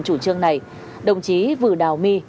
chủ trương này đồng chí vừa đào my